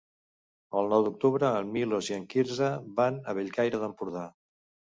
El nou d'octubre en Milos i en Quirze van a Bellcaire d'Empordà.